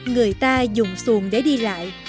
người ta dùng xuồng để đi lại